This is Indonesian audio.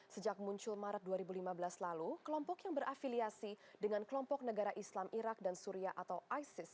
sejak muncul maret dua ribu lima belas lalu kelompok yang berafiliasi dengan kelompok negara islam irak dan suria atau isis